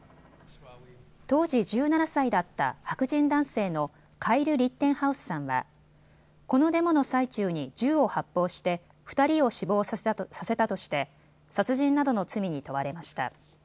当時１７歳だった白人男性のカイル・リッテンハウスさんはこのデモの最中に銃を発砲して２人を死亡させたとして殺人などの罪に問われました。